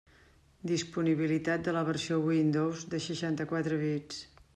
Disponibilitat de la versió Windows de seixanta-quatre bits.